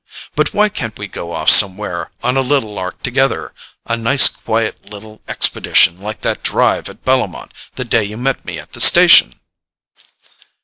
But why can't we go off somewhere on a little lark together—a nice quiet little expedition like that drive at Bellomont, the day you met me at the station?"